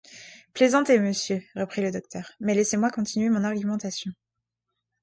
Plaisantez, monsieur, reprit le docteur, mais laissez-moi continuer mon argumentation.